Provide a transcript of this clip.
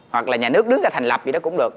hoặc là nhà nước đứng ra thành lập gì đó cũng được